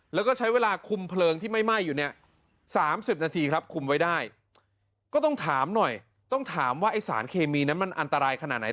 แล้วก็ใช้เวลาคุมเพลิงที่ไม่ไหม้อยู่เนี่ย๓๐นาทีครับคุมไว้ได้ก็ต้องถามหน่อยต้องถามว่าไอ้สารเคมีนั้นมันอันตรายขนาดไหน